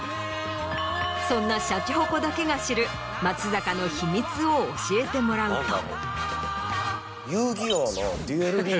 そんなシャチホコだけが知る松坂の秘密を教えてもらうと。